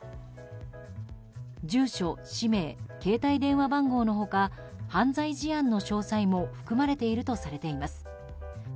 住所、氏名、携帯電話番号の他犯罪事案の詳細も含まれているとされています。